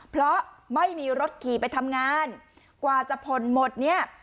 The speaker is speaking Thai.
เพราะไม่มีรถขี่ไปทำงานกว่าจะผ่อนหมดเนี่ย